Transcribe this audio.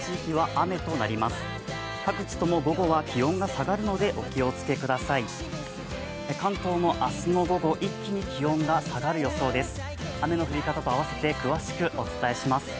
雨の降り方と合わせて詳しくお伝えします。